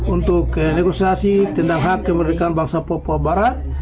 untuk negosiasi tentang hak kemerdekaan bangsa papua barat